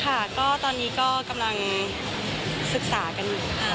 ค่ะก็ตอนนี้กำลังศึกษากัน